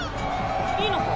いいのか？